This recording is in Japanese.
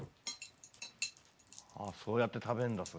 そうやってたべるんだ。